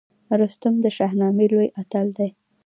رستم د شاهنامې لوی اتل دی